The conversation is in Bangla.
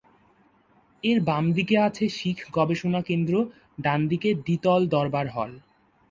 এর বাম দিকে আছে শিখ গবেষণা কেন্দ্র, ডানদিকে দ্বিতল দরবার হল।